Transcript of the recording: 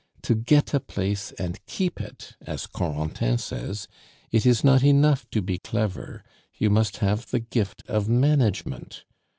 To get a place and keep it, as Corentin says, it is not enough to be clever, you must have the gift of management.